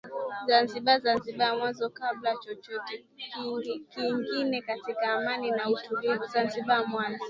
zanzibari zanzibari mwanzo kabla chochote kingine katika amani na utulivu zanzibari mwanzo